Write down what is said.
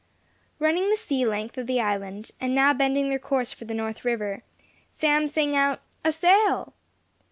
Running the sea length of the island, and now bending their course for the north river, Sam sang out, "A sail!"